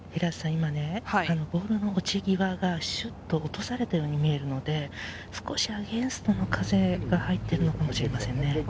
今、ボールの落ち際がシュっと落とされたように見えるので、少しアゲンストの風が入ってるのかもしれません。